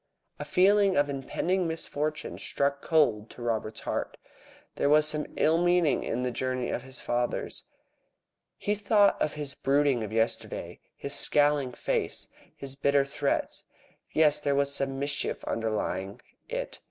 A feeling of impending misfortune struck cold to Robert's heart. There was some ill meaning in this journey of his father's. He thought of his brooding of yesterday, his scowling face, his bitter threats. Yes, there was some mischief underlying it.